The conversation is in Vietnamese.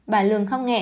bà lương khóc nghẹn